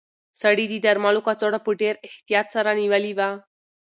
سړي د درملو کڅوړه په ډېر احتیاط سره نیولې وه.